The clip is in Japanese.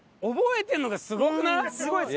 すごいです。